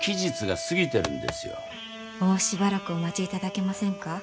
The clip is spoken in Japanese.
もうしばらくお待ちいただけませんか？